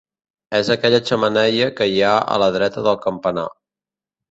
És aquella xemeneia que hi ha a la dreta del campanar.